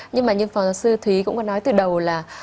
nhưng mà như phó giáo sư thúy cũng có nói từ đầu là